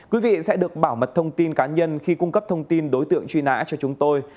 quý vị sẽ được bảo mật thông tin cá nhân khi cung cấp thông tin đối tượng truy nã cho chúng tôi